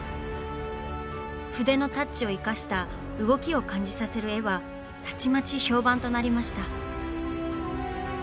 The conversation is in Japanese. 筆のタッチを生かした動きを感じさせる絵はたちまち評判となりました。